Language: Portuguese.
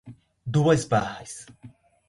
Duas Barras